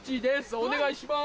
お願いします。